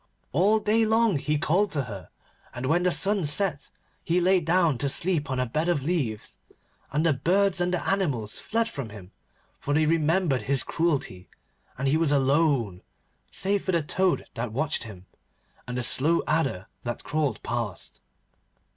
All day long he called to her, and, when the sun set he lay down to sleep on a bed of leaves, and the birds and the animals fled from him, for they remembered his cruelty, and he was alone save for the toad that watched him, and the slow adder that crawled past.